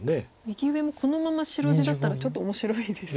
右上もこのまま白地だったらちょっと面白いですね。